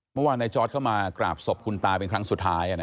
เมื่อวานในจอร์ดเข้ามากราบศพคุณตาเป็นครั้งสุดท้าย